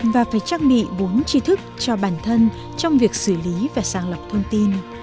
và phải trang bị bốn tri thức cho bản thân trong việc xử lý và sàng lọc thông tin